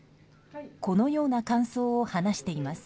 このような感想を話しています。